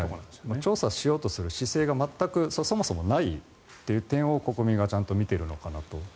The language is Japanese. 調査しようという姿勢がそもそもないという点を国民がちゃんと見ているのかなと。